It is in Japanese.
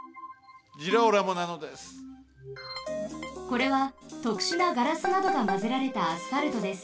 これはとくしゅなガラスなどがまぜられたアスファルトです。